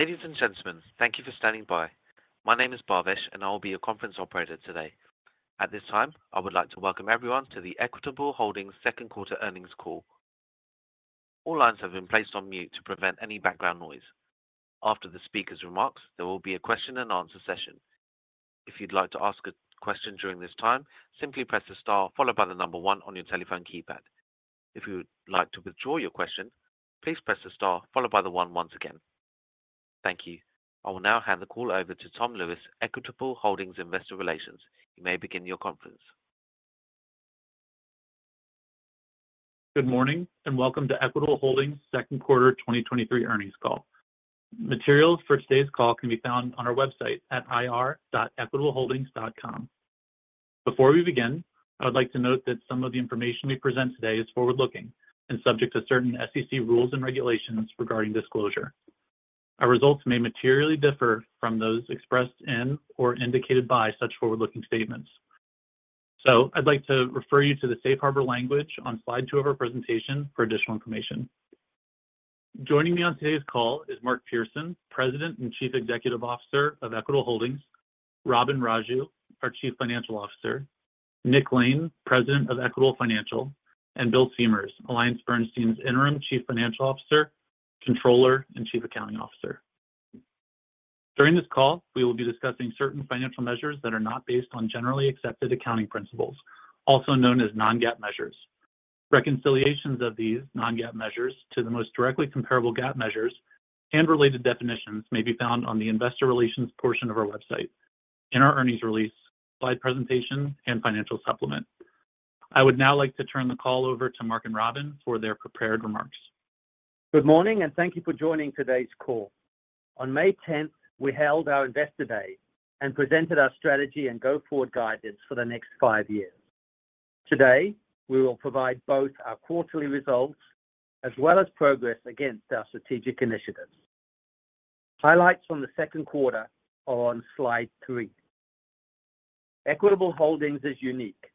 Ladies and gentlemen, thank you for standing by. My name is Bhavish. I will be your conference operator today. At this time, I would like to welcome everyone to the Equitable Holdings Q2 earnings call. All lines have been placed on mute to prevent any background noise. After the speaker's remarks, there will be a question and answer session. If you'd like to ask a question during this time, simply press the star followed by the number one on your telephone keypad. If you would like to withdraw your question, please press the star followed by the one once again. Thank you. I will now hand the call over to Tom Lewis, Equitable Holdings Investor Relations. You may begin your conference. Good morning, and welcome to Equitable Holdings Q2 2023 earnings call. Materials for today's call can be found on our website at ir.equitableholdings.com. Before we begin, I would like to note that some of the information we present today is forward-looking and subject to certain SEC rules and regulations regarding disclosure. Our results may materially differ from those expressed in or indicated by such forward-looking statements. I'd like to refer you to the safe harbor language on slide 2 of our presentation for additional information. Joining me on today's call is Mark Pearson, President and Chief Executive Officer of Equitable Holdings, Robin Raju, our Chief Financial Officer, Nick Lane, President of Equitable Financial, and Bill Siemers, AllianceBernstein's Interim Chief Financial Officer, Comptroller, and Chief Accounting Officer. During this call, we will be discussing certain financial measures that are not based on generally accepted accounting principles, also known as non-GAAP measures. Reconciliations of these non-GAAP measures to the most directly comparable GAAP measures and related definitions may be found on the investor relations portion of our website in our earnings release, slide presentation, and financial supplement. I would now like to turn the call over to Mark and Robin for their prepared remarks. Good morning, and thank you for joining today's call. On May 10th, we held our Investor Day and presented our strategy and go-forward guidance for the next five years. Today, we will provide both our quarterly results as well as progress against our strategic initiatives. Highlights from the 2Q are on slide three. Equitable Holdings is unique.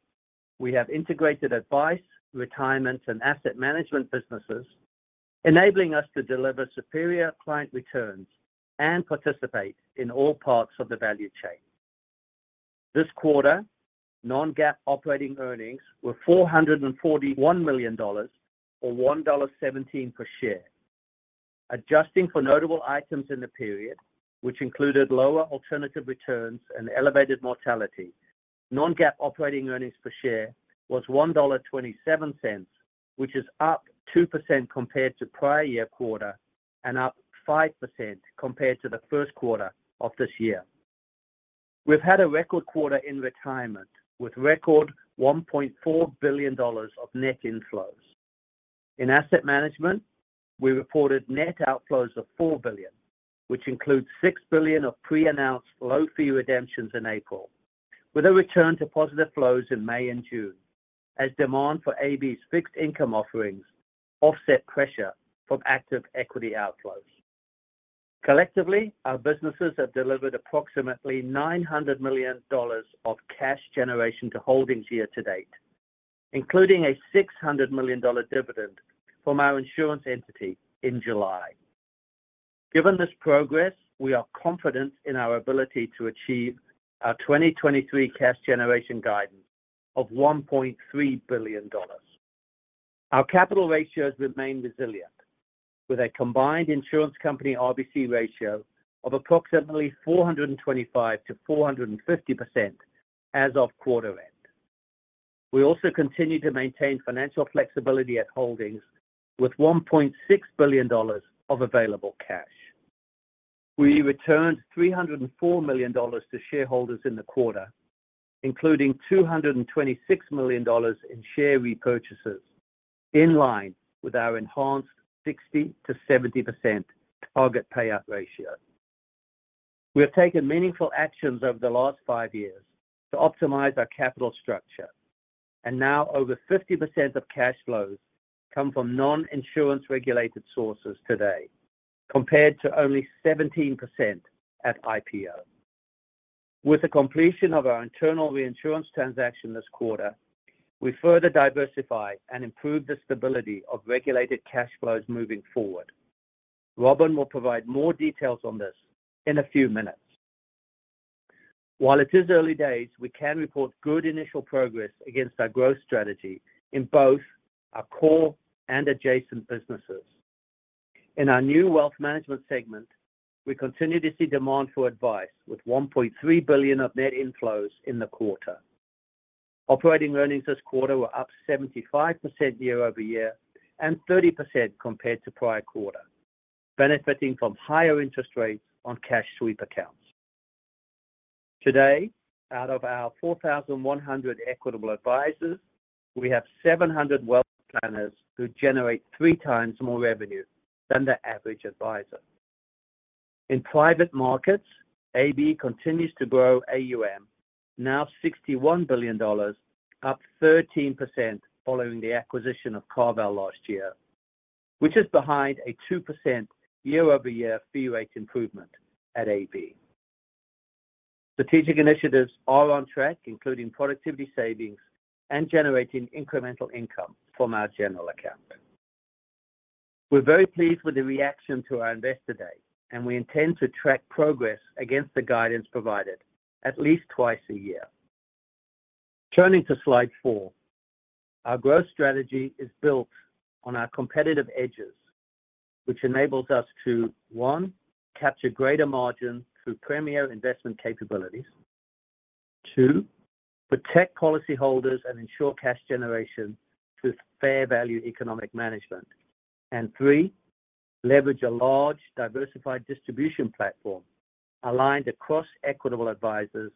We have integrated advice, retirement, and asset management businesses, enabling us to deliver superior client returns and participate in all parts of the value chain. This quarter, non-GAAP operating earnings were $441 million or $1.17 per share. Adjusting for notable items in the period, which included lower alternative returns and elevated mortality, non-GAAP operating earnings per share was $1.27, which is up 2% compared to prior year quarter and up 5% compared to the Q1 of this year. We've had a record quarter in retirement, with record $1.4 billion of net inflows. In asset management, we reported net outflows of $4 billion, which includes $6 billion of pre-announced low-fee redemptions in April, with a return to positive flows in May and June as demand for AB's fixed income offerings offset pressure from active equity outflows. Collectively, our businesses have delivered approximately $900 million of cash generation to holdings year-to-date, including a $600 million dividend from our insurance entity in July. Given this progress, we are confident in our ability to achieve our 2023 cash generation guidance of $1.3 billion. Our capital ratios remain resilient, with a combined insurance company RBC ratio of approximately 425%-450% as of quarter-end. We also continue to maintain financial flexibility at holdings with $1.6 billion of available cash. We returned $304 million to shareholders in the quarter, including $226 million in share repurchases, in line with our enhanced 60%-70% target payout ratio. We have taken meaningful actions over the last five years to optimize our capital structure. Now over 50% of cash flows come from non-insurance regulated sources today, compared to only 17% at IPO. With the completion of our internal reinsurance transaction this quarter, we further diversify and improve the stability of regulated cash flows moving forward. Robin will provide more details on this in a few minutes. While it is early days, we can report good initial progress against our growth strategy in both our core and adjacent businesses. In our new wealth management segment, we continue to see demand for advice with $1.3 billion of net inflows in the quarter. Operating earnings this quarter were up 75% year-over-year and 30% compared to prior quarter, benefiting from higher interest rates on cash sweep accounts. Today, out of our 4,100 Equitable Advisors, we have 700 wealth planners who generate three times more revenue than the average advisor. In private markets, AB continues to grow AUM, now $61 billion, up 13% following the acquisition of CarVal last year, which is behind a 2% year-over-year fee rate improvement at AB. Strategic initiatives are on track, including productivity savings and generating incremental income from our general account. We're very pleased with the reaction to our Investor Day, we intend to track progress against the guidance provided at least twice a year. Turning to slide four. Our growth strategy is built on our competitive edges, which enables us to, one, capture greater margins through premier investment capabilities. Two, protect policyholders and ensure cash generation through fair value economic management. Three, leverage a large, diversified distribution platform aligned across Equitable Advisors,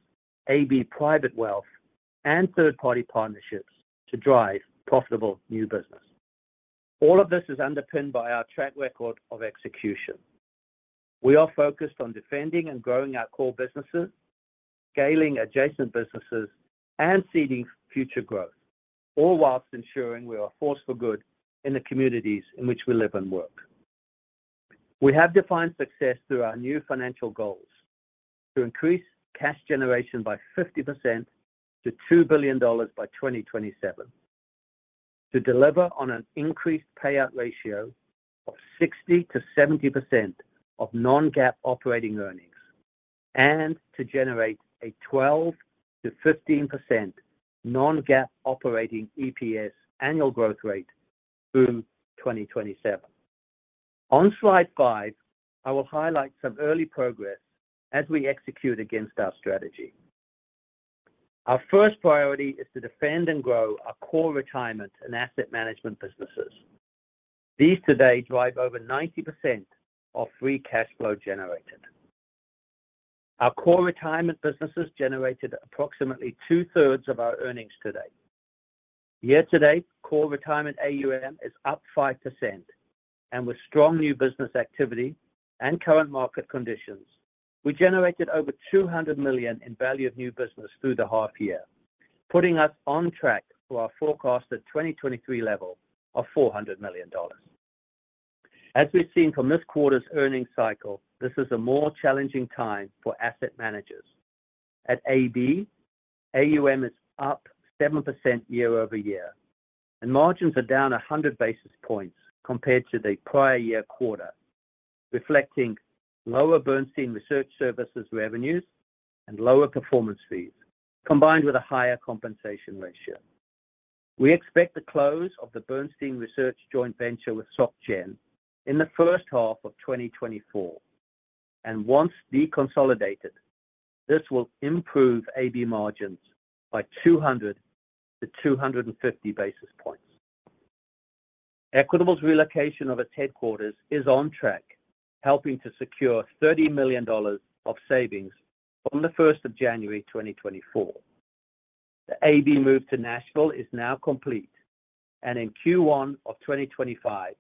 AB Private Wealth, and third-party partnerships to drive profitable new business. All of this is underpinned by our track record of execution. We are focused on defending and growing our core businesses, scaling adjacent businesses, and seeding future growth, all whilst ensuring we are a force for good in the communities in which we live and work. We have defined success through our new financial goals: to increase cash generation by 50% to $2 billion by 2027; to deliver on an increased payout ratio of 60%-70% of non-GAAP operating earnings; to generate a 12%-15% non-GAAP operating EPS annual growth rate through 2027. On slide five, I will highlight some early progress as we execute against our strategy. Our first priority is to defend and grow our core retirement and asset management businesses. These today drive over 90% of free cash flow generated. Our core retirement businesses generated approximately 2/3 of our earnings today. Year-to-date, core retirement AUM is up 5%, and with strong new business activity and current market conditions, we generated over $200 million in value of new business through the half year, putting us on track to our forecasted 2023 level of $400 million. As we've seen from this quarter's earnings cycle, this is a more challenging time for asset managers. At AB, AUM is up 7% year-over-year, and margins are down 100 basis points compared to the prior year quarter, reflecting lower Bernstein Research Services revenues and lower performance fees, combined with a higher compensation ratio. We expect the close of the Bernstein Research joint venture with SocGen in the first half of 2024, and once deconsolidated, this will improve AB margins by 200-250 basis points. Equitable's relocation of its headquarters is on track, helping to secure $30 million of savings from the 1st of January 2024. In Q1 of 2025,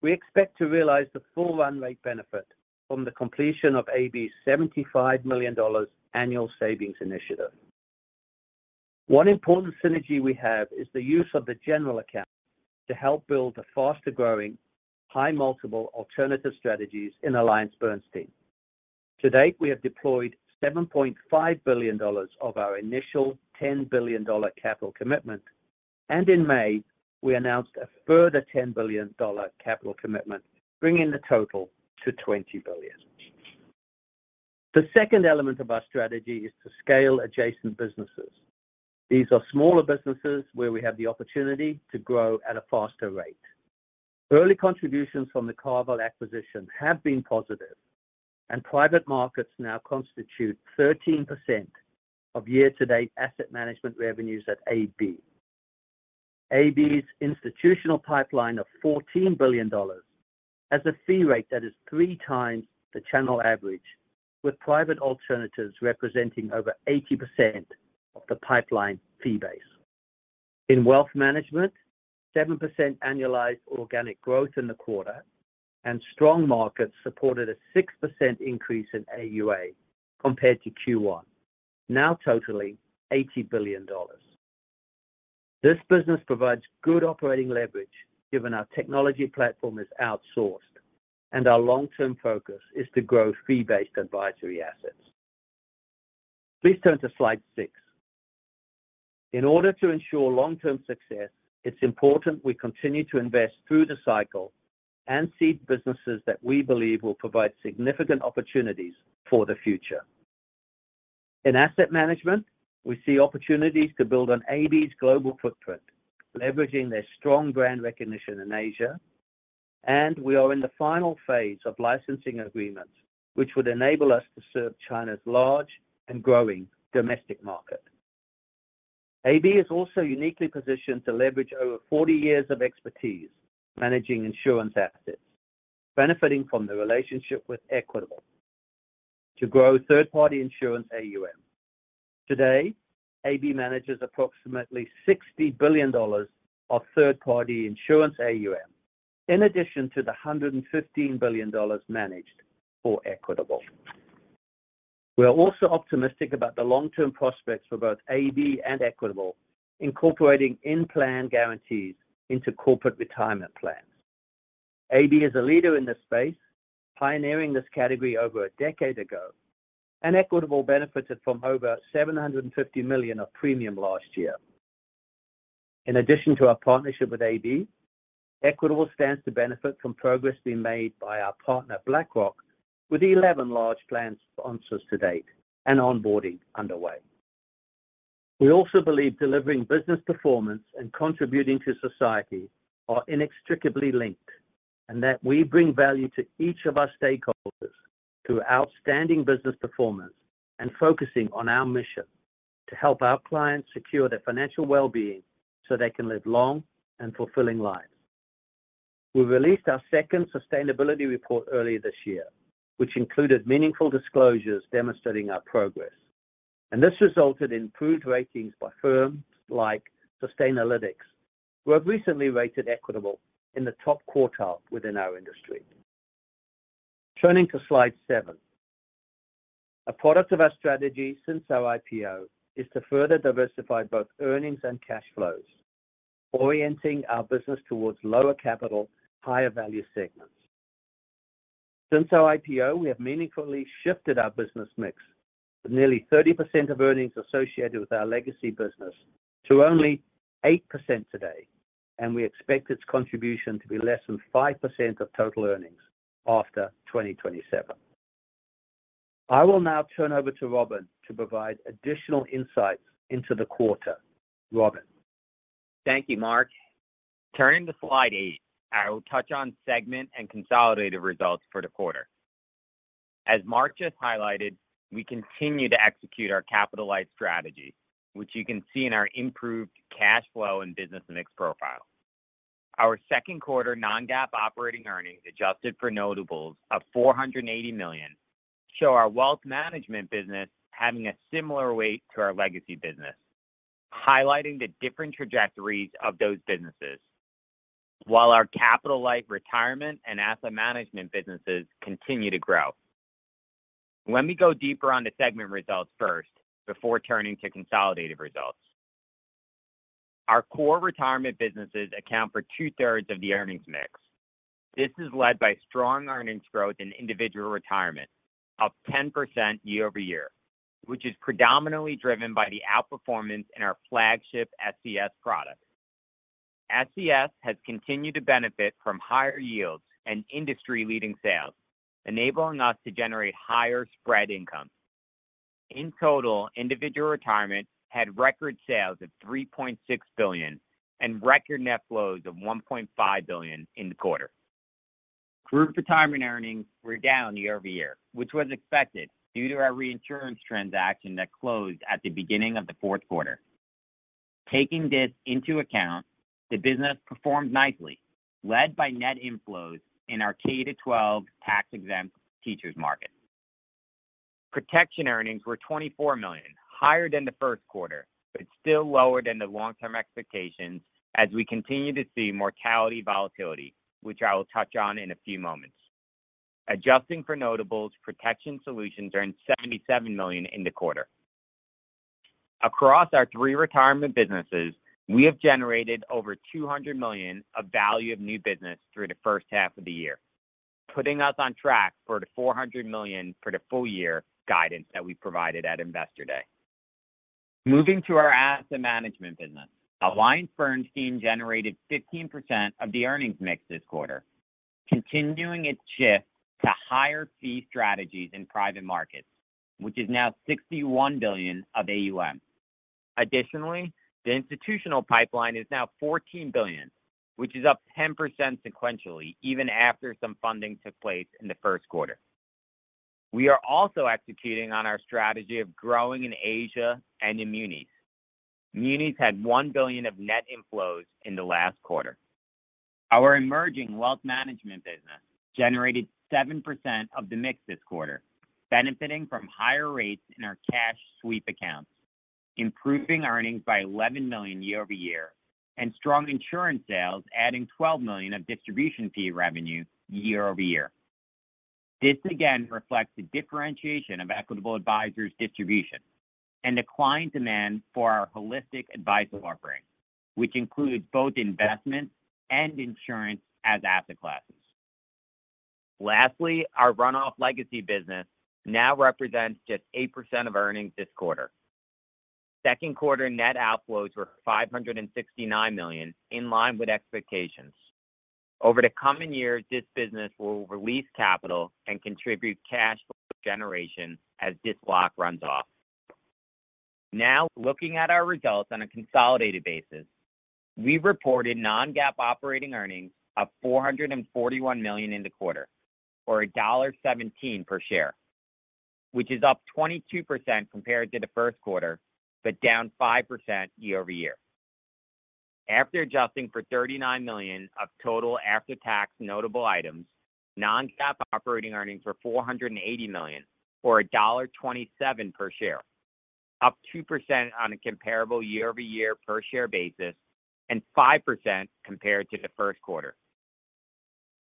we expect to realize the full run rate benefit from the completion of AB's $75 million annual savings initiative. One important synergy we have is the use of the general account to help build a faster-growing, high-multiple alternative strategies in AllianceBernstein. To date, we have deployed $7.5 billion of our initial $10 billion capital commitment. In May, we announced a further $10 billion capital commitment, bringing the total to $20 billion. The second element of our strategy is to scale adjacent businesses. These are smaller businesses where we have the opportunity to grow at a faster rate. Early contributions from the CarVal acquisition have been positive, and private markets now constitute 13% of year-to-date asset management revenues at AB. AB's institutional pipeline of $14 billion has a fee rate that is 3x the channel average, with private alternatives representing over 80% of the pipeline fee base. In wealth management, 7% annualized organic growth in the quarter and strong markets supported a 6% increase in AUA compared to Q1, now totaling $80 billion. This business provides good operating leverage, given our technology platform is outsourced and our long-term focus is to grow fee-based advisory assets. Please turn to slide six. In order to ensure long-term success, it's important we continue to invest through the cycle and seed businesses that we believe will provide significant opportunities for the future. In asset management, we see opportunities to build on AB's global footprint, leveraging their strong brand recognition in Asia. We are in the final phase of licensing agreements, which would enable us to serve China's large and growing domestic market. AB is also uniquely positioned to leverage over 40 years of expertise managing insurance assets, benefiting from the relationship with Equitable to grow third-party insurance AUM. Today, AB manages approximately $60 billion of third-party insurance AUM, in addition to the $115 billion managed for Equitable. We are also optimistic about the long-term prospects for both AB and Equitable, incorporating in-plan guarantees into corporate retirement plans. AB is a leader in this space, pioneering this category over a decade ago, and Equitable benefited from over $750 million of premium last year. In addition to our partnership with AB, Equitable stands to benefit from progress being made by our partner, BlackRock, with 11 large plan sponsors to date and onboarding underway. We also believe delivering business performance and contributing to society are inextricably linked, and that we bring value to each of our stakeholders through outstanding business performance and focusing on our mission: to help our clients secure their financial well-being so they can live long and fulfilling lives. We released our second sustainability report earlier this year, which included meaningful disclosures demonstrating our progress, and this resulted in improved ratings by firms like Sustainalytics, who have recently rated Equitable in the top quartile within our industry. Turning to slide seven. A product of our strategy since our IPO is to further diversify both earnings and cash flows, orienting our business towards lower capital, higher value segments. Since our IPO, we have meaningfully shifted our business mix, with nearly 30% of earnings associated with our legacy business to only 8% today, and we expect its contribution to be less than 5% of total earnings after 2027. I will now turn over to Robin to provide additional insights into the quarter. Robin? Thank you, Mark. Turning to slide eight, I will touch on segment and consolidated results for the quarter. As Mark just highlighted, we continue to execute our capitalized strategy, which you can see in our improved cash flow and business mix profile. Our Q2 non-GAAP operating earnings, adjusted for notables of $480 million, show our wealth management business having a similar weight to our legacy business, highlighting the different trajectories of those businesses, while our capital life retirement and asset management businesses continue to grow. Let me go deeper on the segment results first before turning to consolidated results. Our core retirement businesses account for two-thirds of the earnings mix. This is led by strong earnings growth in Individual Retirement, up 10% year-over-year, which is predominantly driven by the outperformance in our flagship SCS product. SCS has continued to benefit from higher yields and industry-leading sales, enabling us to generate higher spread income. In total, Individual Retirement had record sales of $3.6 billion and record net flows of $1.5 billion in the quarter. Group Retirement earnings were down year-over-year, which was expected due to our reinsurance transaction that closed at the beginning of the fourth quarter. Taking this into account, the business performed nicely, led by net inflows in our K-12 tax-exempt teachers market. Protection Solutions earnings were $24 million, higher than the first quarter, but still lower than the long-term expectations as we continue to see mortality volatility, which I will touch on in a few moments. Adjusting for notables, Protection Solutions earned $77 million in the quarter. Across our three retirement businesses, we have generated over $200 million of value of new business through the first half of the year, putting us on track for the $400 million for the full year guidance that we provided at Investor Day. Moving to our asset management business, our alliance firms team generated 15% of the earnings mix this quarter, continuing its shift to higher fee strategies in private markets, which is now $61 billion of AUM. Additionally, the institutional pipeline is now $14 billion, which is up 10% sequentially, even after some funding took place in the first quarter. We are also executing on our strategy of growing in Asia and in Munis. Munis had $1 billion of net inflows in the last quarter. Our emerging wealth management business generated 7% of the mix this quarter, benefiting from higher rates in our cash sweep accounts, improving earnings by $11 million year-over-year, and strong insurance sales adding $12 million of distribution fee revenue year-over-year. This again reflects the differentiation of Equitable Advisors distribution and the client demand for our holistic advisor offering, which includes both investment and insurance as asset classes. Lastly, our runoff legacy business now represents just 8% of earnings this quarter. Q2 net outflows were $569 million, in line with expectations. Over the coming years, this business will release capital and contribute cash flow generation as this block runs off. Now, looking at our results on a consolidated basis, we reported non-GAAP operating earnings of $441 million in the quarter, or $1.17 per share, which is up 22% compared to the Q1, but down 5% year-over-year. After adjusting for $39 million of total after-tax notable items, non-GAAP operating earnings were $480 million, or $1.27 per share, up 2% on a comparable year-over-year per share basis and 5% compared to the first quarter.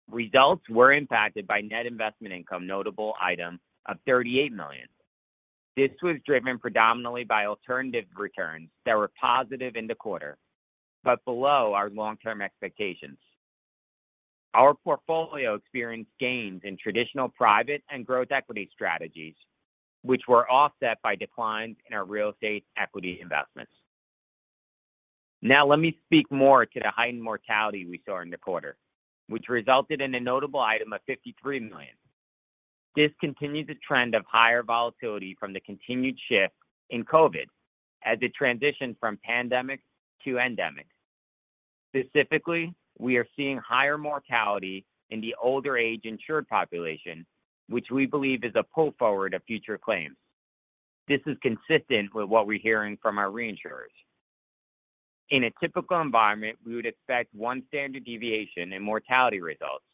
Results were impacted by net investment income, notable item of $38 million. This was driven predominantly by alternative returns that were positive in the quarter, but below our long-term expectations. Our portfolio experienced gains in traditional private and growth equity strategies, which were offset by declines in our real estate equity investments. Now, let me speak more to the heightened mortality we saw in the quarter, which resulted in a notable item of $53 million. This continues a trend of higher volatility from the continued shift in COVID as it transitions from pandemic to endemic. Specifically, we are seeing higher mortality in the older age insured population, which we believe is a pull forward of future claims. This is consistent with what we're hearing from our reinsurers. In a typical environment, we would expect one standard deviation in mortality results,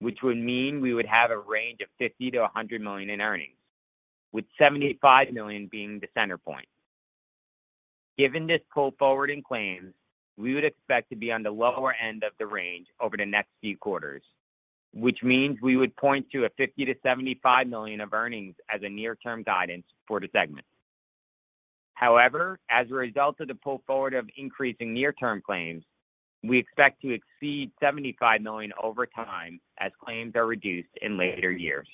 which would mean we would have a range of $50-$100 million in earnings, with $75 million being the center point. Given this pull forward in claims, we would expect to be on the lower end of the range over the next few quarters, which means we would point to a $50-$75 million of earnings as a near-term guidance for the segment. However, as a result of the pull forward of increasing near-term claims, we expect to exceed $75 million over time as claims are reduced in later years.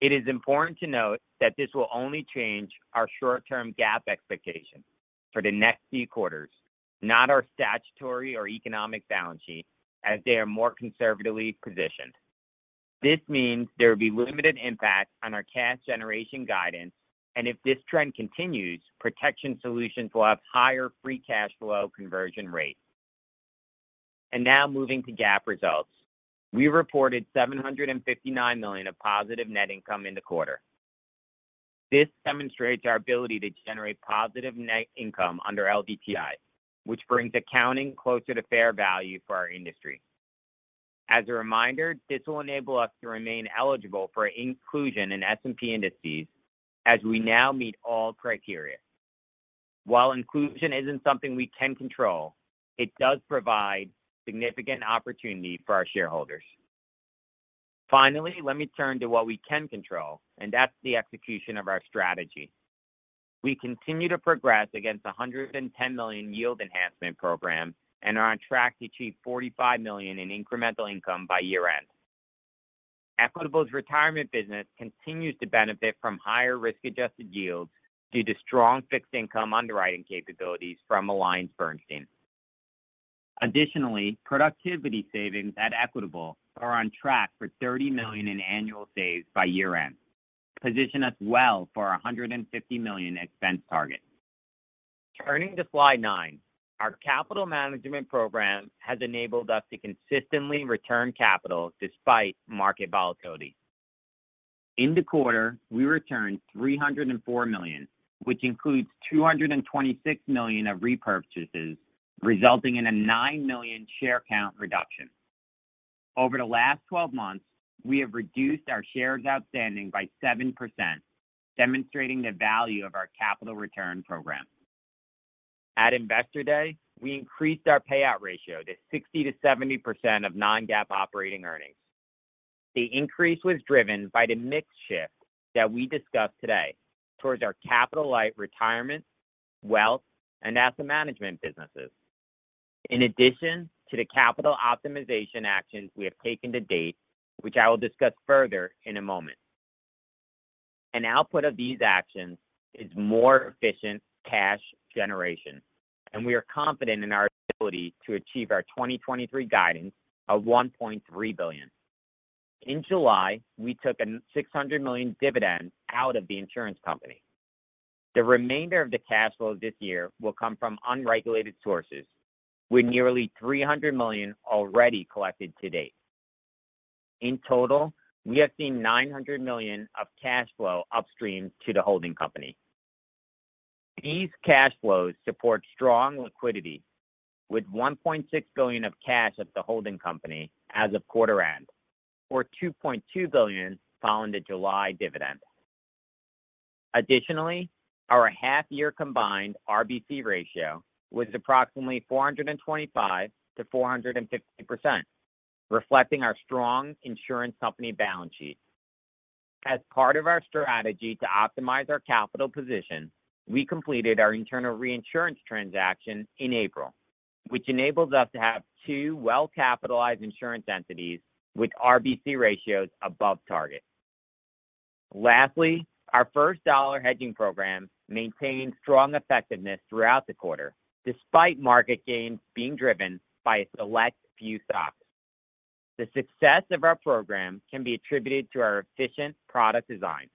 It is important to note that this will only change our short-term GAAP expectation for the next few quarters, not our statutory or economic balance sheet, as they are more conservatively positioned. This means there will be limited impact on our cash generation guidance, and if this trend continues, Protection Solutions will have higher free cash flow conversion rate. Now moving to GAAP results. We reported $759 million of positive net income in the quarter. This demonstrates our ability to generate positive net income under LDTI, which brings accounting closer to fair value for our industry. As a reminder, this will enable us to remain eligible for inclusion in S&P indices as we now meet all criteria. While inclusion isn't something we can control, it does provide significant opportunity for our shareholders. Finally, let me turn to what we can control, that's the execution of our strategy. We continue to progress against a $110 million yield enhancement program and are on track to achieve $45 million in incremental income by year-end. Equitable's retirement business continues to benefit from higher risk-adjusted yields due to strong fixed income underwriting capabilities from AllianceBernstein. Additionally, productivity savings at Equitable are on track for $30 million in annual saves by year-end, position us well for a $150 million expense target. Turning to slide nine, our capital management program has enabled us to consistently return capital despite market volatility. In the quarter, we returned $304 million, which includes $226 million of repurchases, resulting in a 9 million share count reduction. Over the last 12 months, we have reduced our shares outstanding by 7%, demonstrating the value of our capital return program. At Investor Day, we increased our payout ratio to 60%-70% of non-GAAP operating earnings. The increase was driven by the mix shift that we discussed today towards our capital-light retirement, wealth, and asset management businesses. In addition to the capital optimization actions we have taken to date, which I will discuss further in a moment. An output of these actions is more efficient cash generation, and we are confident in our ability to achieve our 2023 guidance of $1.3 billion. In July, we took a $600 million dividend out of the insurance company. The remainder of the cash flow this year will come from unregulated sources, with nearly $300 million already collected to date. In total, we have seen $900 million of cash flow upstream to the holding company. These cash flows support strong liquidity, with $1.6 billion of cash at the holding company as of quarter end, or $2.2 billion following the July dividend. Additionally, our half-year combined RBC ratio was approximately 425%-450%, reflecting our strong insurance company balance sheet. As part of our strategy to optimize our capital position, we completed our internal reinsurance transaction in April, which enables us to have two well-capitalized insurance entities with RBC ratios above target. Lastly, our first dollar hedging program maintained strong effectiveness throughout the quarter, despite market gains being driven by a select few stocks. The success of our program can be attributed to our efficient product design,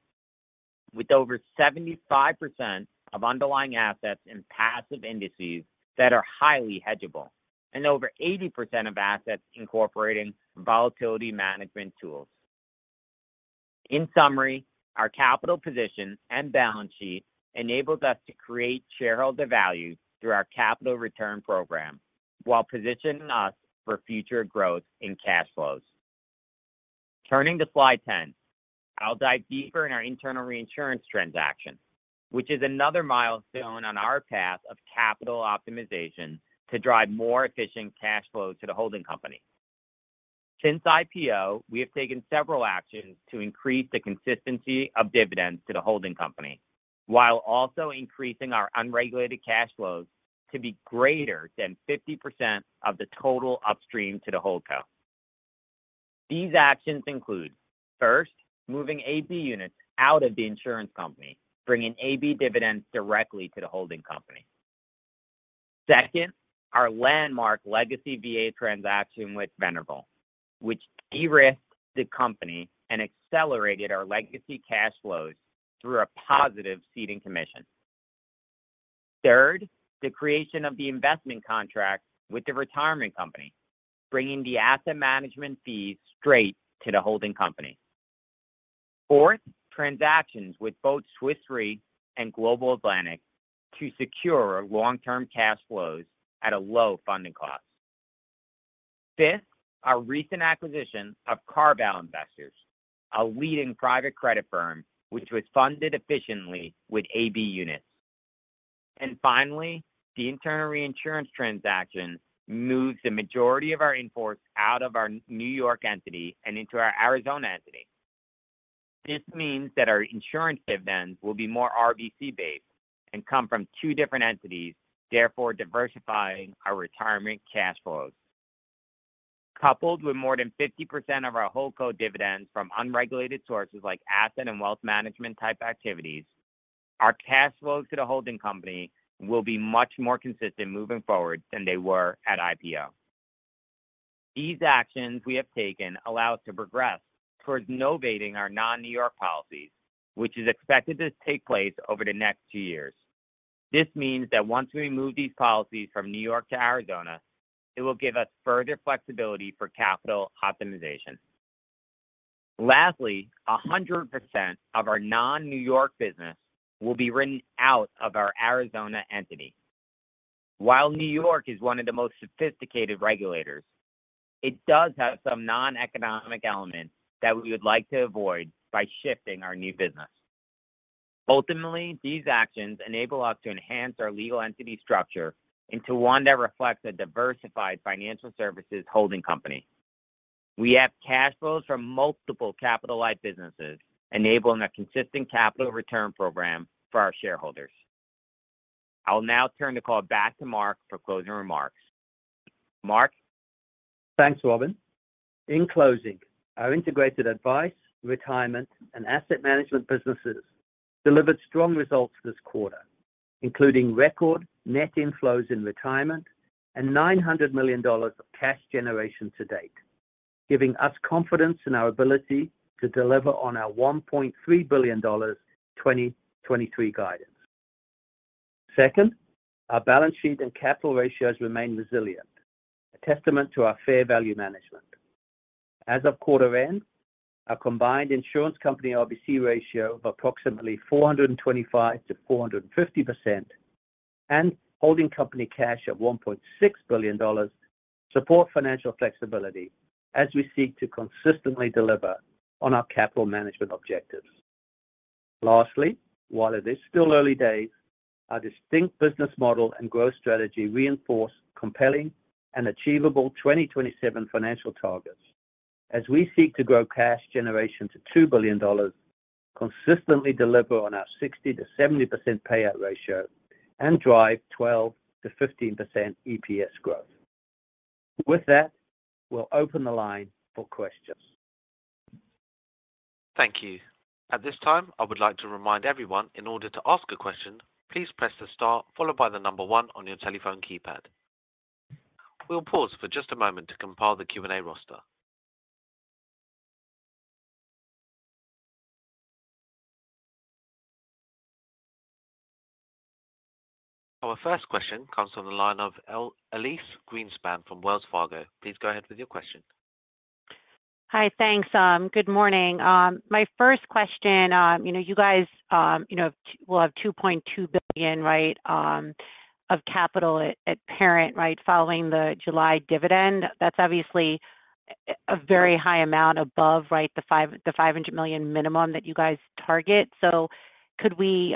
with over 75% of underlying assets in passive indices that are highly hedgeable and over 80% of assets incorporating volatility management tools. In summary, our capital position and balance sheet enables us to create shareholder value through our capital return program while positioning us for future growth in cash flows. Turning to slide 10, I'll dive deeper in our internal reinsurance transaction, which is another milestone on our path of capital optimization to drive more efficient cash flow to the holding company. Since IPO, we have taken several actions to increase the consistency of dividends to the holding company, while also increasing our unregulated cash flows to be greater than 50% of the total upstream to the HoldCo. These actions include, first, moving AB units out of the insurance company, bringing AB dividends directly to the holding company. Second, our landmark legacy VA transaction with Venerable, which de-risked the company and accelerated our legacy cash flows through a positive ceding commission. Third, the creation of the investment contract with the retirement company, bringing the asset management fees straight to the holding company. Fourth, transactions with both Swiss Re and Global Atlantic to secure long-term cash flows at a low funding cost. Fifth, our recent acquisition of CarVal Investors, a leading private credit firm, which was funded efficiently with AB units. Finally, the internal reinsurance transaction moves the majority of our in-force out of our New York entity and into our Arizona entity. This means that our insurance dividends will be more RBC-based and come from two different entities, therefore diversifying our retirement cash flows. Coupled with more than 50% of our HoldCo dividends from unregulated sources like asset and wealth management type activities, our cash flows to the holding company will be much more consistent moving forward than they were at IPO. These actions we have taken allow us to progress towards novating our non-New York policies, which is expected to take place over the next two years. This means that once we move these policies from New York to Arizona, it will give us further flexibility for capital optimization. Lastly, 100% of our non-New York business will be written out of our Arizona entity. While New York is one of the most sophisticated regulators, it does have some non-economic elements that we would like to avoid by shifting our new business. Ultimately, these actions enable us to enhance our legal entity structure into one that reflects a diversified financial services holding company. We have cash flows from multiple capital life businesses, enabling a consistent capital return program for our shareholders. I'll now turn the call back to Mark for closing remarks. Mark? Thanks, Robin. In closing, our integrated advice, retirement, and asset management businesses delivered strong results this quarter, including record net inflows in retirement and $900 million of cash generation to date, giving us confidence in our ability to deliver on our $1.3 billion 2023 guidance. Second, our balance sheet and capital ratios remain resilient, a testament to our fair value management. As of quarter end, our combined insurance company RBC ratio of approximately 425%-450%, and holding company cash of $1.6 billion support financial flexibility as we seek to consistently deliver on our capital management objectives. Lastly, while it is still early days, our distinct business model and growth strategy reinforce compelling and achievable 2027 financial targets as we seek to grow cash generation to $2 billion, consistently deliver on our 60%-70% payout ratio, and drive 12%-15% EPS growth. With that, we'll open the line for questions. Thank you. At this time, I would like to remind everyone, in order to ask a question, please press the star followed by 1 on your telephone keypad. We'll pause for just a moment to compile the Q&A roster. Our first question comes from the line of Elyse Greenspan from Wells Fargo. Please go ahead with your question. Hi. Thanks. Good morning. My first question, you know, you guys, you know, will have $2.2 billion, right, of capital at, at parent, right, following the July dividend. That's obviously a, a very high amount above, right, the $500 million minimum that you guys target. Could we,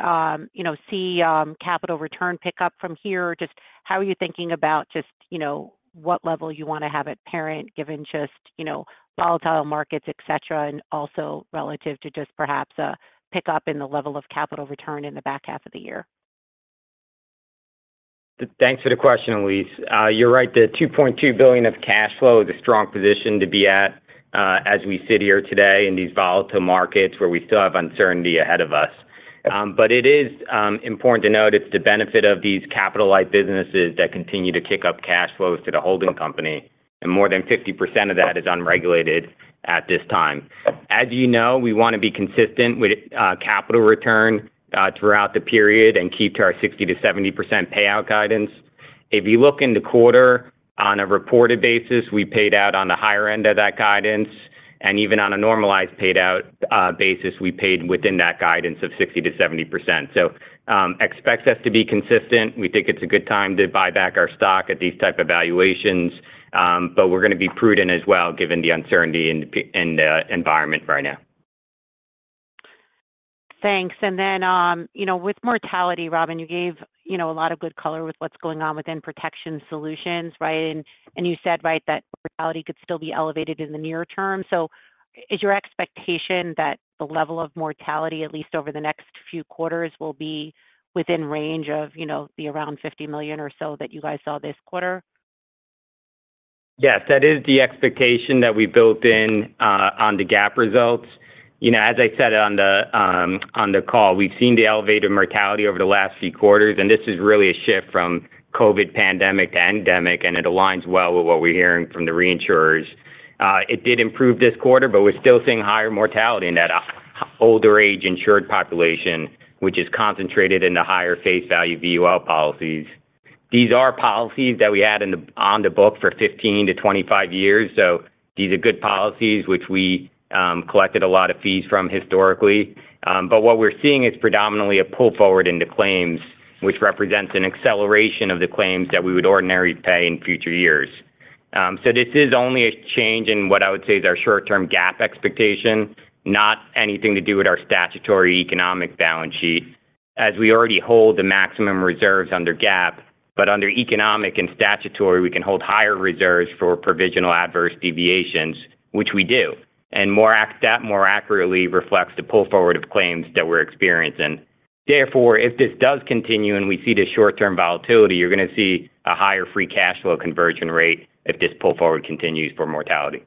you know, see capital return pick up from here? Just how are you thinking about just, you know, what level you want to have at parent, given just, you know, volatile markets, et cetera, and also relative to just perhaps a pick up in the level of capital return in the back half of the year? Thanks for the question, Elyse. You're right, the $2.2 billion of cash flow is a strong position to be at, as we sit here today in these volatile markets where we still have uncertainty ahead of us. It is important to note it's the benefit of these capital light businesses that continue to kick up cash flows to the holding company, and more than 50% of that is unregulated at this time. As you know, we want to be consistent with capital return throughout the period and keep to our 60%-70% payout guidance. If you look in the quarter, on a reported basis, we paid out on the higher end of that guidance, and even on a normalized paid out basis, we paid within that guidance of 60%-70%. Expect us to be consistent. We think it's a good time to buy back our stock at these type of valuations, but we're going to be prudent as well, given the uncertainty in the environment right now. Thanks. You know, with mortality, Robin, you gave, you know, a lot of good color with what's going on within Protection Solutions, right? You said, right, that mortality could still be elevated in the near term. Is your expectation that the level of mortality, at least over the next few quarters, will be within range of, you know, the around $50 million or so that you guys saw this quarter? Yes, that is the expectation that we built in on the GAAP results. You know, as I said on the call, we've seen the elevated mortality over the last few quarters, and this is really a shift from COVID pandemic to endemic, and it aligns well with what we're hearing from the reinsurers. It did improve this quarter. We're still seeing higher mortality in that older age insured population, which is concentrated in the higher face value VUL policies. These are policies that we had on the book for 15-25 years. These are good policies, which we collected a lot of fees from historically. What we're seeing is predominantly a pull forward into claims, which represents an acceleration of the claims that we would ordinarily pay in future years. This is only a change in what I would say is our short-term GAAP expectation, not anything to do with our statutory economic balance sheet, as we already hold the maximum reserves under GAAP. But under economic and statutory, we can hold higher reserves for provisional adverse deviations, which we do, and that more accurately reflects the pull forward of claims that we're experiencing. Therefore, if this does continue and we see the short-term volatility, you're going to see a higher free cash flow conversion rate if this pull forward continues for mortality.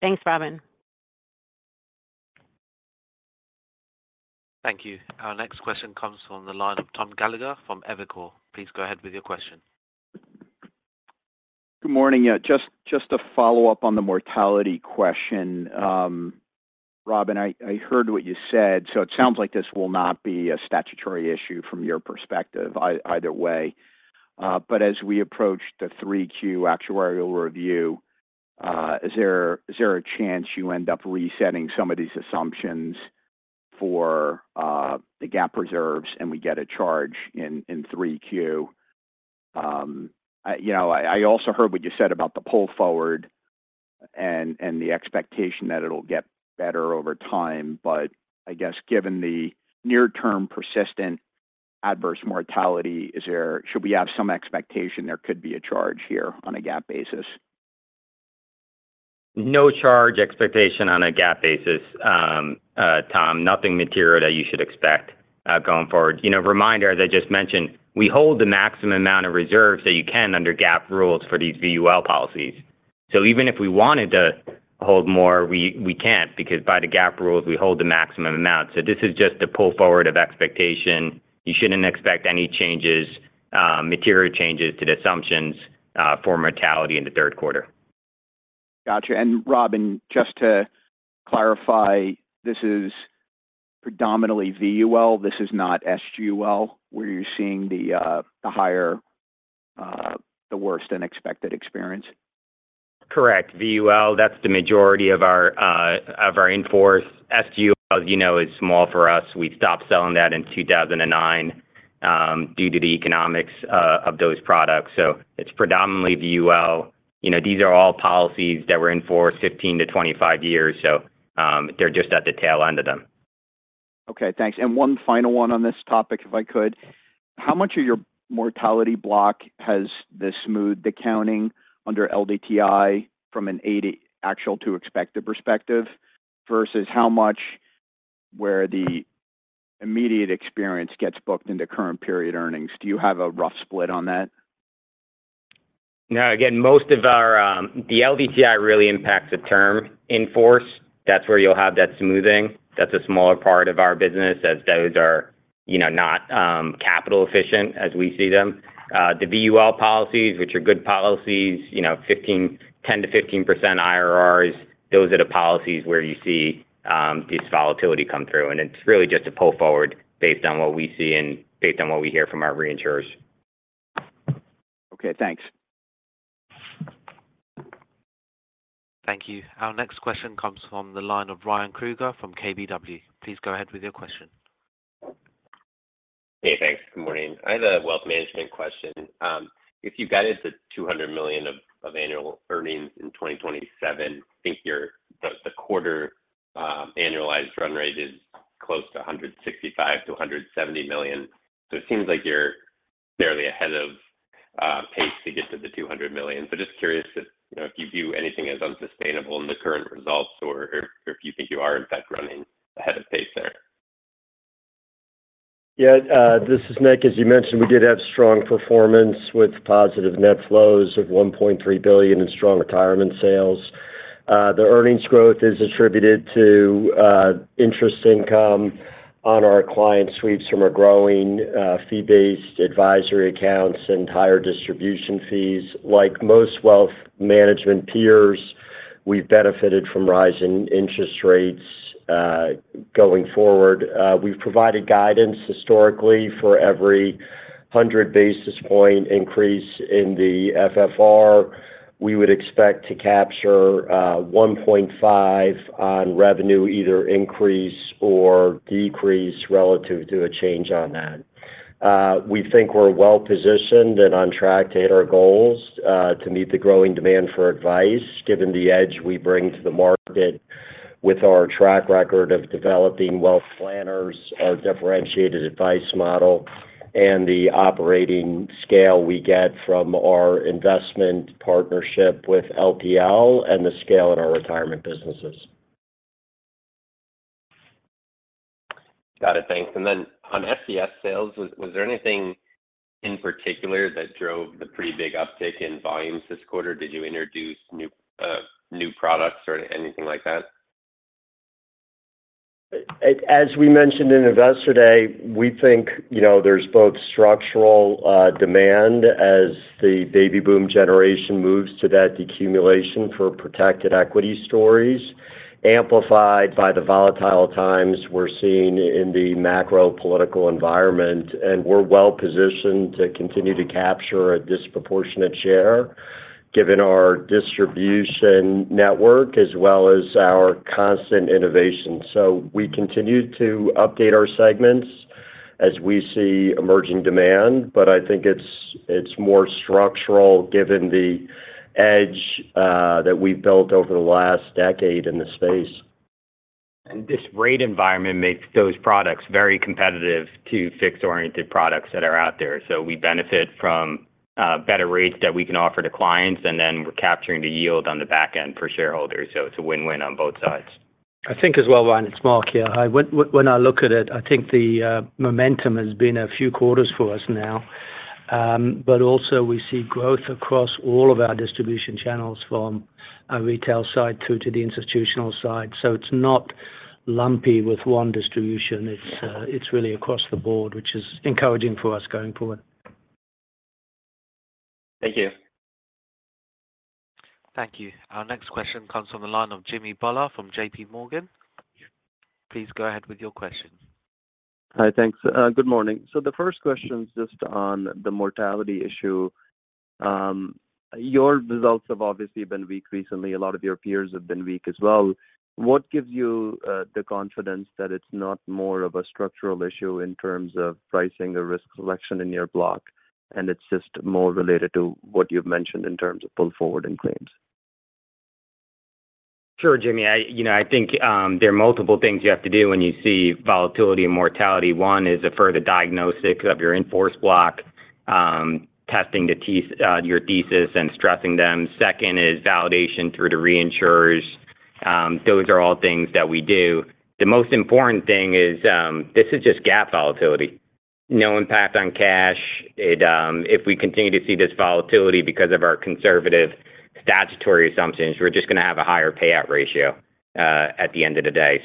Thanks, Robin. Thank you. Our next question comes from the line of Tom Gallagher from Evercore. Please go ahead with your question. Good morning. Yeah, just, just to follow up on the mortality question. Robin, I, I heard what you said, so it sounds like this will not be a statutory issue from your perspective either way. As we approach the 3Q actuarial review, is there, is there a chance you end up resetting some of these assumptions for the GAAP reserves, and we get a charge in 3Q? I, you know, I, I also heard what you said about the pull forward and, and the expectation that it'll get better over time. I guess, given the near-term persistent adverse mortality, should we have some expectation there could be a charge here on a GAAP basis? No charge expectation on a GAAP basis, Tom. Nothing material that you should expect going forward. You know, reminder, as I just mentioned, we hold the maximum amount of reserves that you can under GAAP rules for these VUL policies. Even if we wanted to hold more, we, we can't, because by the GAAP rules, we hold the maximum amount. This is just a pull forward of expectation. You shouldn't expect any changes, material changes to the assumptions for mortality in the Q3. Gotcha. Robin, just to clarify, this is predominantly VUL, this is not SGUL, where you're seeing the, the higher, the worst unexpected experience? Correct. VUL, that's the majority of our of our in-force. SGUL, as you know, is small for us. We stopped selling that in 2009 due to the economics of those products. It's predominantly VUL. You know, these are all policies that were in force 15-25 years, so they're just at the tail end of them. Okay, thanks. One final one on this topic, if I could: How much of your mortality block has this smoothed accounting under LDTI from an A/E actual to expected perspective, versus how much where the immediate experience gets booked into current period earnings? Do you have a rough split on that? No. Again, most of our... The LDTI really impacts the term in force. That's where you'll have that smoothing. That's a smaller part of our business, as those are, you know, not, capital efficient as we see them. The VUL policies, which are good policies, you know, 10%-15% IRRs, those are the policies where you see, this volatility come through. It's really just a pull forward based on what we see and based on what we hear from our reinsurers. Okay, thanks. Thank you. Our next question comes from the line of Ryan Krueger from KBW. Please go ahead with your question. Hey, thanks. Good morning. I have a wealth management question. If you guided to $200 million of annual earnings in 2027, I think the quarter, annualized run rate is close to $165-$170 million. It seems like you're barely ahead of pace to get to the $200 million. Just curious if, you know, if you view anything as unsustainable in the current results or if, if you think you are in fact running ahead of pace there? Yeah, this is Nick. As you mentioned, we did have strong performance with positive net flows of $1.3 billion in strong retirement sales. The earnings growth is attributed to interest income on our client suites from our growing fee-based advisory accounts and higher distribution fees. Like most wealth management peers, we've benefited from rising interest rates. Going forward, we've provided guidance historically for every 100 basis point increase in the FFR, we would expect to capture 1.5 on revenue, either increase or decrease relative to a change on that. We think we're well positioned and on track to hit our goals, to meet the growing demand for advice, given the edge we bring to the market with our track record of developing wealth planners, our differentiated advice model, and the operating scale we get from our investment partnership with LPL and the scale in our retirement businesses. Got it. Thanks. Then on SCS sales, was there anything in particular that drove the pretty big uptick in volumes this quarter? Did you introduce new, new products or anything like that? As we mentioned in Investor Day, we think, you know, there's both structural demand as the baby boom generation moves to that decumulation for protected equity stories, amplified by the volatile times we're seeing in the macro political environment. We're well positioned to continue to capture a disproportionate share, given our distribution network as well as our constant innovation. We continue to update our segments as we see emerging demand, but I think it's, it's more structural given the edge that we've built over the last decade in the space. This rate environment makes those products very competitive to fixed-oriented products that are out there. We benefit from better rates that we can offer to clients, and then we're capturing the yield on the back end per shareholder. It's a win-win on both sides. I think as well, Ryan, it's Mark here. Hi. When, when I look at it, I think the momentum has been a few quarters for us now. Also we see growth across all of our distribution channels, from our retail side to, to the institutional side. It's not lumpy with one distribution. It's really across the board, which is encouraging for us going forward. Thank you. Thank you. Our next question comes from the line of Jimmy Bhullar from JPMorgan. Please go ahead with your question. Hi, thanks. Good morning. The first question is just on the mortality issue. Your results have obviously been weak recently. A lot of your peers have been weak as well. What gives you the confidence that it's not more of a structural issue in terms of pricing or risk selection in your block, and it's just more related to what you've mentioned in terms of pull forward and claims? Sure, Jimmy. I, you know, I think, there are multiple things you have to do when you see volatility and mortality. One is a further diagnostic of your in-force block, testing your thesis and stressing them. Second is validation through the reinsurers. Those are all things that we do. The most important thing is, this is just GAAP volatility, no impact on cash. It, if we continue to see this volatility because of our conservative statutory assumptions, we're just gonna have a higher payout ratio at the end of the day.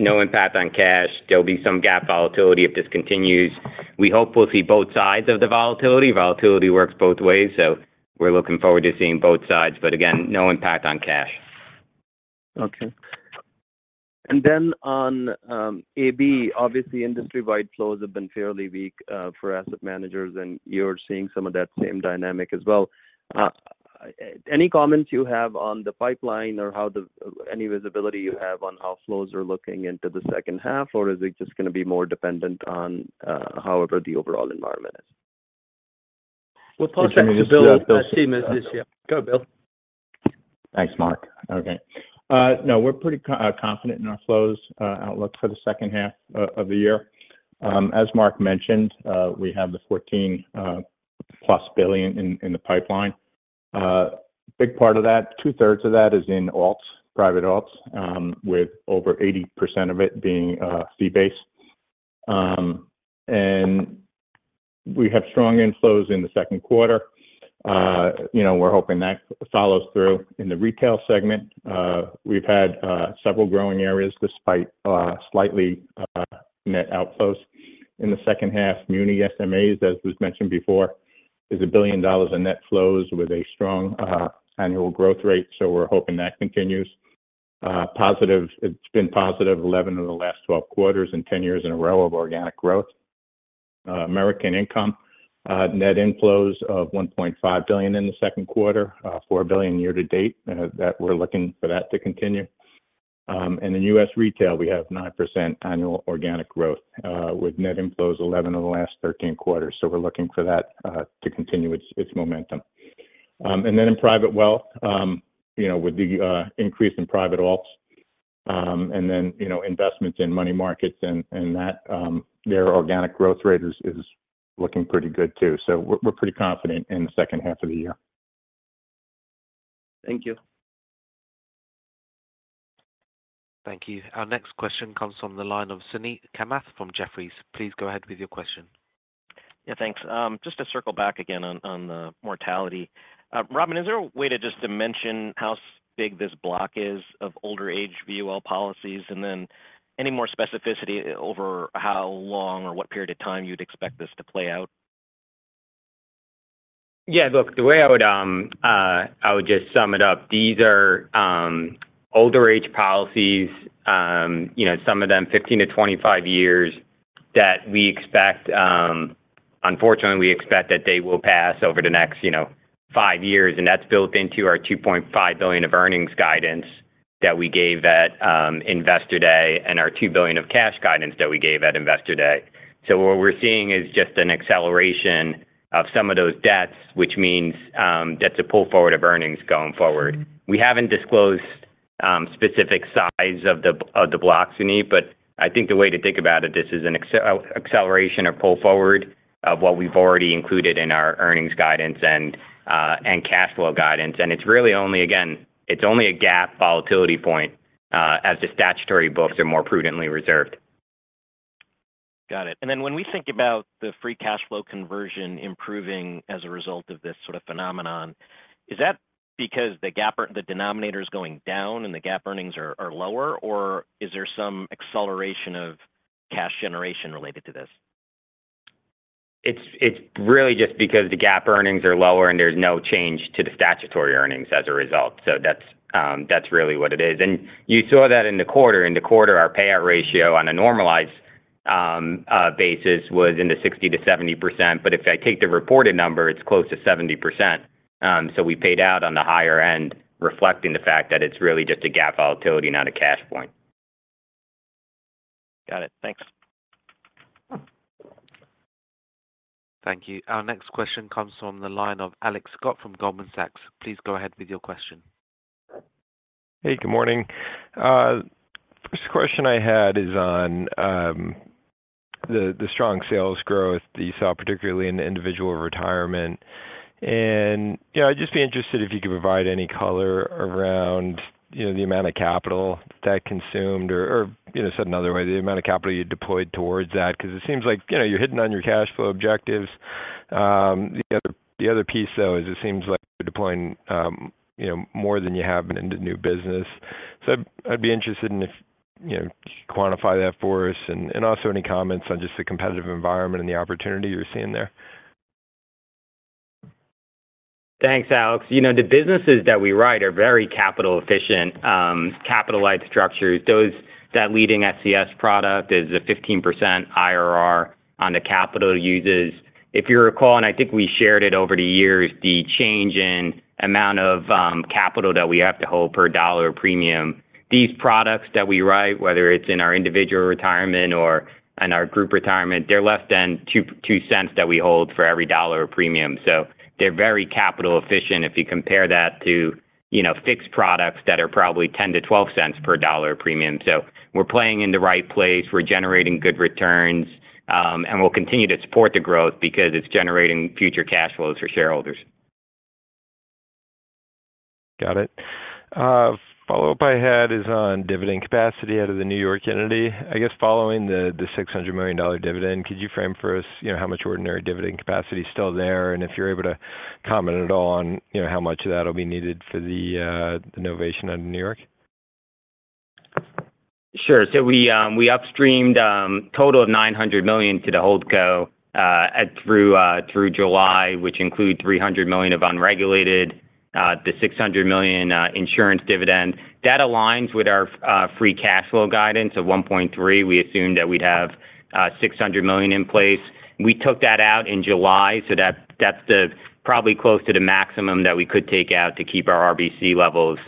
No impact on cash. There'll be some GAAP volatility if this continues. We hope we'll see both sides of the volatility. Volatility works both ways, so we're looking forward to seeing both sides, but again, no impact on cash. Okay. Then on, AB, obviously, industry-wide flows have been fairly weak, for asset managers, and you're seeing some of that same dynamic as well. Any comments you have on the pipeline or any visibility you have on how flows are looking into the second half, or is it just gonna be more dependent on, however the overall environment is? We'll pull check to Bill Siemers this year. Go, Bill. Thanks, Mark. Okay. No, we're pretty confident in our flows outlook for the second half of the year. As Mark mentioned, we have the $14+ billion in the pipeline. Big part of that, two-thirds of that is in alts, private alts, with over 80% of it fee-based. We have strong inflows in the Q2. You know, we're hoping that follows through in the retail segment. We've had several growing areas despite slightly net outflows in the second half. Muni SMAs, as was mentioned before, is $1 billion in net flows with a strong annual growth rate, so we're hoping that continues. It's been positive 11 of the last 12 quarters and 10 years in a row of organic growth. American Income, net inflows of $1.5 billion in the Q2, $4 billion year to date, that we're looking for that to continue. In US Retail, we have 9% annual organic growth, with net inflows 11 of the last 13 quarters. We're looking for that to continue its momentum. Then in Private Wealth, you know, with the increase in private alts, and then, you know, investments in money markets and, and that, their organic growth rate is looking pretty good too. We're pretty confident in the second half of the year. Thank you. Thank you. Our next question comes from the line of Suneet Kamath from Jefferies. Please go ahead with your question. Yeah, thanks. just to circle back again on, on the mortality. Robin, is there a way to just to mention how big this block is of older age VUL policies? Then any more specificity over how long or what period of time you'd expect this to play out? Yeah, look, the way I would, I would just sum it up, these are, older age policies, you know, some of them 15-25 years, that we expect, unfortunately, we expect that they will pass over the next, you know, 5 years, and that's built into our $2.5 billion of earnings guidance that we gave at, Investor Day and our $2 billion of cash guidance that we gave at Investor Day. What we're seeing is just an acceleration of some of those debts, which means, that's a pull forward of earnings going forward. We haven't disclosed, specific size of the, of the blocks we need, but I think the way to think about it, this is an acceleration or pull forward of what we've already included in our earnings guidance and, and cash flow guidance. It's really only, again, it's only a GAAP volatility point, as the statutory books are more prudently reserved. Got it. Then when we think about the free cash flow conversion improving as a result of this sort of phenomenon, is that because the GAAP the denominator is going down and the GAAP earnings are lower, or is there some acceleration of cash generation related to this? It's, it's really just because the GAAP earnings are lower and there's no change to the statutory earnings as a result. That's really what it is. You saw that in the quarter. In the quarter, our payout ratio on a normalized basis was in the 60%-70%, but if I take the reported number, it's close to 70%. We paid out on the higher end, reflecting the fact that it's really just a GAAP volatility, not a cash point. Got it. Thanks. Thank you. Our next question comes from the line of Alex Scott from Goldman Sachs. Please go ahead with your question. Hey, good morning. First question I had is on the, the strong sales growth that you saw, particularly in the Individual Retirement. You know, I'd just be interested if you could provide any color around, you know, the amount of capital that consumed or, or, you know, said another way, the amount of capital you deployed towards that, because it seems like, you know, you're hitting on your cash flow objectives. The other, the other piece, though, is it seems like you're deploying, you know, more than you have been into new business. I'd, I'd be interested in if, you know, quantify that for us and also any comments on just the competitive environment and the opportunity you're seeing there? Thanks, Alex. You know, the businesses that we ride are very capital efficient, capital light structures. That leading SCS product is a 15% IRR on the capital uses. If you recall, and I think we shared it over the years, the change in amount of capital that we have to hold per dollar premium, these products that we write, whether it's in our Individual Retirement or in our Group Retirement, they're less than $0.02, $0.02 that we hold for every dollar of premium. They're very capital efficient if you compare that to, you know, fixed products that are probably $0.10-$0.12 per dollar of premium. We're playing in the right place, we're generating good returns, and we'll continue to support the growth because it's generating future cash flows for shareholders. Got it. Follow-up I had is on dividend capacity out of the New York entity. I guess following the, the $600 million dividend, could you frame for us, you know, how much ordinary dividend capacity is still there? If you're able to comment at all on, you know, how much of that will be needed for the, the novation on New York. Sure. We upstreamed a total of $900 million to the HoldCo through July, which includes $300 million of unregulated, the $600 million insurance dividend. That aligns with our free cash flow guidance of $1.3 billion. We assumed that we'd have $600 million in place. We took that out in July, so that, that's the probably close to the maximum that we could take out to keep our RBC levels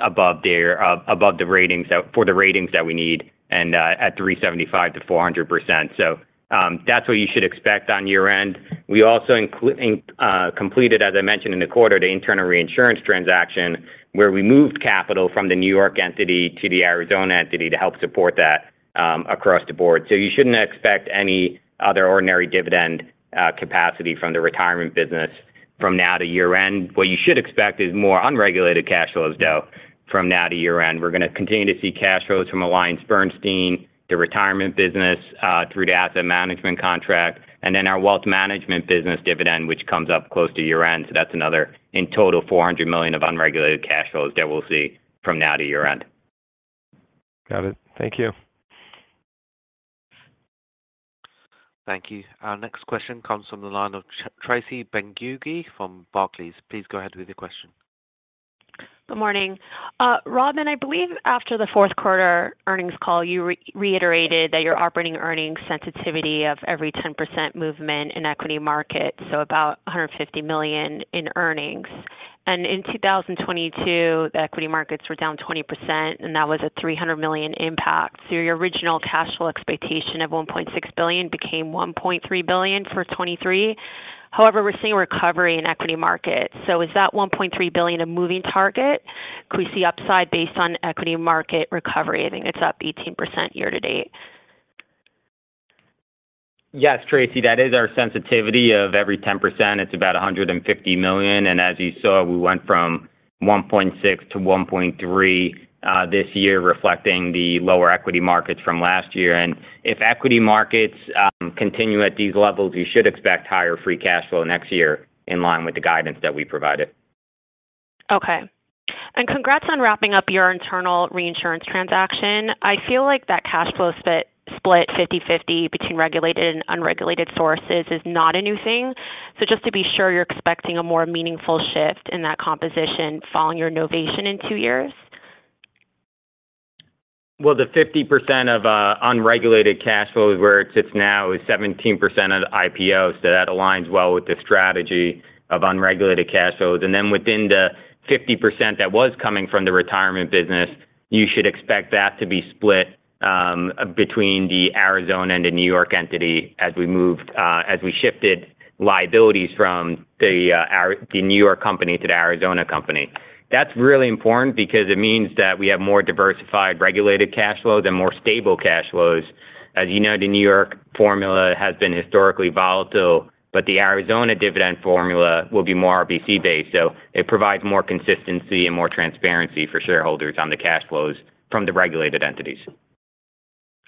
above there, above the ratings that for the ratings that we need, and at 375%-400%. That's what you should expect on year-end. We also completed, as I mentioned in the quarter, the internal reinsurance transaction, where we moved capital from the New York entity to the Arizona entity to help support that across the board. You shouldn't expect any other ordinary dividend capacity from the retirement business from now to year-end. What you should expect is more unregulated cash flows, though, from now to year-end. We're going to continue to see cash flows from AllianceBernstein, the retirement business, through the asset management contract, and then our wealth management business dividend, which comes up close to year-end. That's another in total, $400 million of unregulated cash flows that we'll see from now to year-end. Got it. Thank you. Thank you. Our next question comes from the line of Tracy Benguigui from Barclays. Please go ahead with your question. Good morning. Robin, I believe after the Q4 earnings call, you reiterated that your operating earnings sensitivity of every 10% movement in equity market, so about $150 million in earnings. In 2022, the equity markets were down 20%, and that was a $300 million impact. Your original cash flow expectation of $1.6 billion became $1.3 billion for 2023. However, we're seeing a recovery in equity markets. Is that $1.3 billion a moving target? Could we see upside based on equity market recovery? I think it's up 18% year to date. Yes, Tracy, that is our sensitivity. Of every 10%, it's about $150 million, and as you saw, we went from 1.6-1.3 this year, reflecting the lower equity markets from last year. If equity markets continue at these levels, you should expect higher free cash flow next year in line with the guidance that we provided. Okay. Congrats on wrapping up your internal reinsurance transaction. I feel like that cash flow split, split 50/50 between regulated and unregulated sources is not a new thing. Just to be sure you're expecting a more meaningful shift in that composition following your novation in two years? Well, the 50% of unregulated cash flow is where it sits now is 17% of the IPO. That aligns well with the strategy of unregulated cash flows. Within the 50% that was coming from the retirement business, you should expect that to be split between the Arizona and the New York entity as we moved as we shifted liabilities from the New York company to the Arizona company. That's really important because it means that we have more diversified, regulated cash flows and more stable cash flows. As you know, the New York formula has been historically volatile, but the Arizona dividend formula will be more RBC-based, so it provides more consistency and more transparency for shareholders on the cash flows from the regulated entities.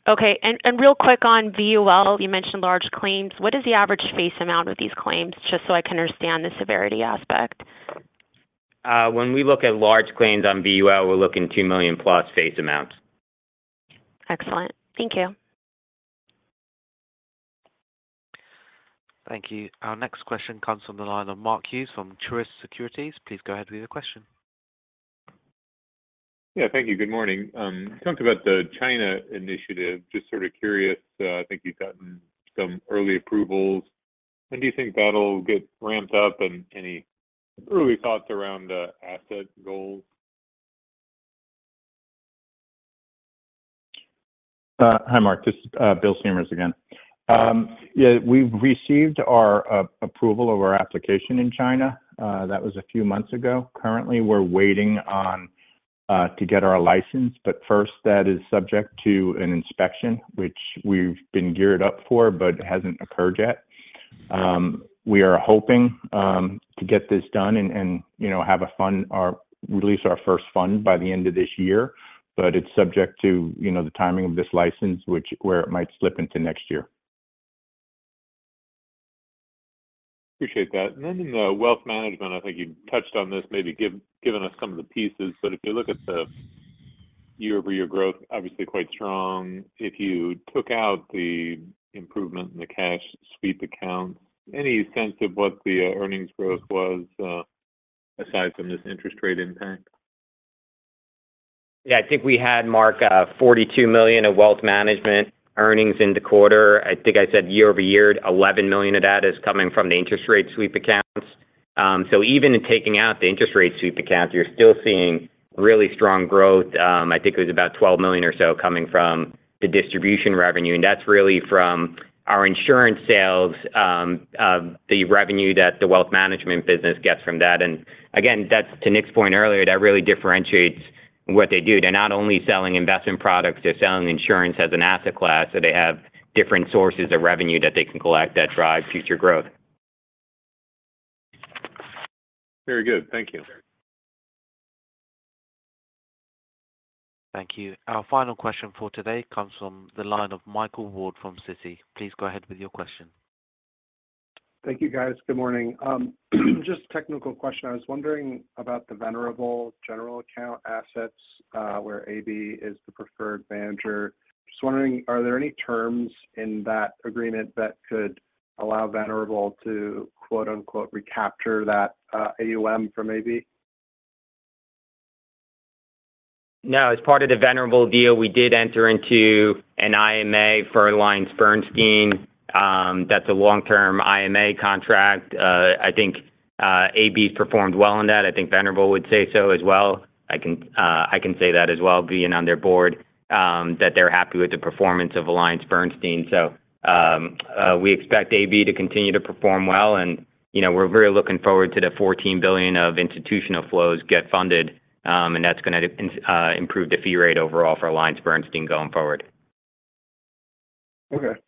Okay. Real quick on VUL, you mentioned large claims. What is the average face amount of these claims? Just so I can understand the severity aspect. When we look at large claims on VUL, we're looking 2 million-plus face amounts. Excellent. Thank you. Thank you. Our next question comes from the line of Mark Hughes from Truist Securities. Please go ahead with your question. Yeah, thank you. Good morning. You talked about the China initiative. Just sort of curious, I think you've gotten some early approvals. When do you think that'll get ramped up, and any early thoughts around the asset goals? Hi, Mark, this is Bill Siemers again. We've received our approval of our application in China. That was a few months ago. Currently, we're waiting on to get our license, but first, that is subject to an inspection, which we've been geared up for, but it hasn't occurred yet. We are hoping to get this done and, and, you know, have a fund or release our first fund by the end of this year, but it's subject to, you know, the timing of this license, which, where it might slip into next year. Appreciate that. In the wealth management, I think you touched on this, maybe giving us some of the pieces, but if you look at the year-over-year growth, obviously quite strong. If you took out the improvement in the cash sweep accounts, any sense of what the earnings growth was, aside from this interest rate impact? Yeah, I think we had, Mark, $42 million of wealth management earnings in the quarter. I think I said year-over-year, $11 million of that is coming from the interest rate sweep accounts. Even in taking out the interest rate sweep accounts, you're still seeing really strong growth. I think it was about $12 million or so coming from the distribution revenue, that's really from our insurance sales, the revenue that the wealth management business gets from that. Again, that's to Nick's point earlier, that really differentiates what they do. They're not only selling investment products, they're selling insurance as an asset class, so they have different sources of revenue that they can collect that drive future growth. Very good. Thank you. Thank you. Our final question for today comes from the line of Michael Ward from Citi. Please go ahead with your question. Thank you, guys. Good morning. Just a technical question. I was wondering about the Venerable general account assets, where AB is the preferred manager. Just wondering, are there any terms in that agreement that could allow Venerable to "recapture" that, AUM from AB? No. As part of the Venerable deal, we did enter into an IMA for AllianceBernstein. That's a long-term IMA contract. I think AB performed well on that. I think Venerable would say so as well. I can, I can say that as well, being on their board, that they're happy with the performance of AllianceBernstein. We expect AB to continue to perform well, and you know, we're very looking forward to the $14 billion of institutional flows get funded, and that's gonna improve the fee rate overall for AllianceBernstein going forward. Okay.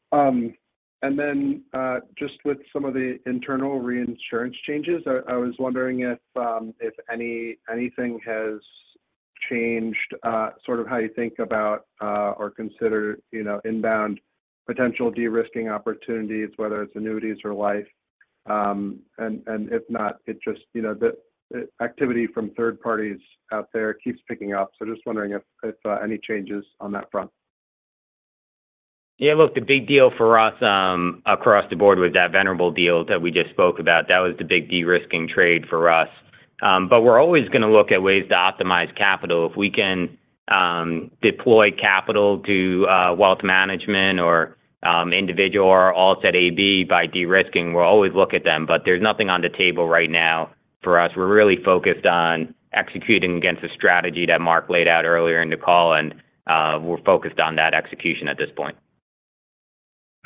Just with some of the internal reinsurance changes, I was wondering if anything has changed, sort of how you think about, or consider, you know, inbound potential de-risking opportunities, whether it's annuities or life. If not, it just, you know, the activity from third parties out there keeps picking up. Just wondering if any changes on that front? Yeah, look, the big deal for us, across the board with that Venerable deal that we just spoke about, that was the big de-risking trade for us. We're always gonna look at ways to optimize capital. If we can, deploy capital to, wealth management or, individual or alts at AB by de-risking, we'll always look at them. There's nothing on the table right now for us. We're really focused on executing against the strategy that Mark laid out earlier in the call, and we're focused on that execution at this point.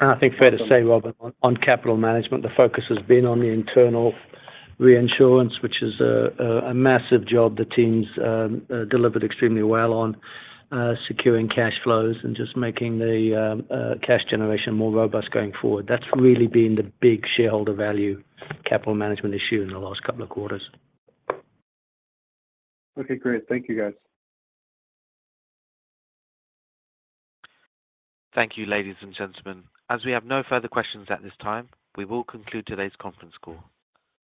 I think fair to say, Robin, on capital management, the focus has been on the internal reinsurance, which is a massive job the teams delivered extremely well on securing cash flows and just making the cash generation more robust going forward. That's really been the big shareholder value, capital management issue in the last couple of quarters. Okay, great. Thank you, guys. Thank you, ladies and gentlemen. As we have no further questions at this time, we will conclude today's conference call.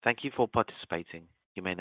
Thank you for participating. You may now-